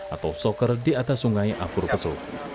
atau soker di atas sungai afurpeso